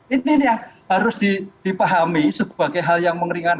intinya harus dipahami sebagai hal yang mengeringkan